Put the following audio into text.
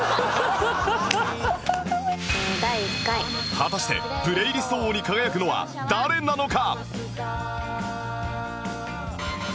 果たしてプレイリスト王に輝くのは誰なのか？